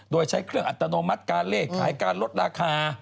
โดยใช้เครื่องอัตโนมัติการเลขขายการลดราคา